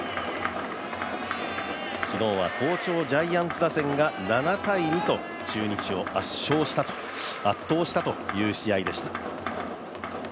昨日は好調ジャイアンズ打線が７−２と、中日を圧勝圧倒したという試合でした。